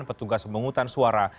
pertama penyelenggaraan berkata